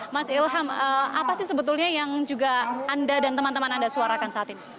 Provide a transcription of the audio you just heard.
mas ilham apa sih sebetulnya yang juga anda dan teman teman anda suarakan saat ini